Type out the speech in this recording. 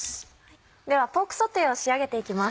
ではポークソテーを仕上げていきます。